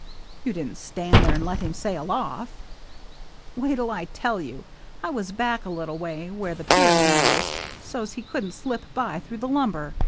" You didn't stand there and let him sail off." " Wait'U I tell you. I was back a little way, where the pier narrows, so's he couldn't slip by through the lumber.